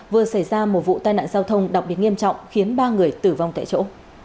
vừa xảy ra một vụ tai nạn giao thông đặc biệt nghiêm trọng khiến ba người tử vong tại chỗ